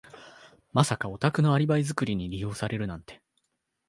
まさかお宅のアリバイ作りに利用されるなんて。